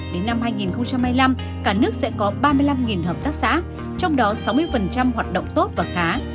đến năm hai nghìn hai mươi năm cả nước sẽ có ba mươi năm hợp tác xã trong đó sáu mươi hoạt động tốt và khá